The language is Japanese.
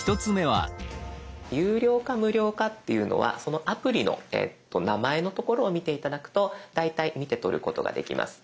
有料か無料かっていうのはそのアプリの名前のところを見て頂くと大体見て取ることができます。